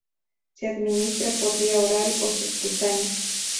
Se administra por vía oral o subcutánea.